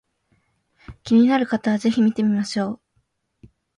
気になる方は是非見てみましょう